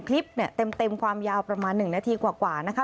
คลิปเนี่ยเต็มความยาวประมาณ๑นาทีกว่านะคะ